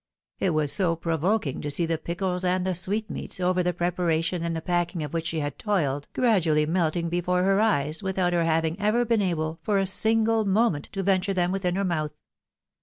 It was so provoking to see the pickles and the sweetmeats, over the preparation and the pack ing of which she had toiled, gradually melting before her eyes, without her having ever been able, for a single moment, to venture them within her mouth!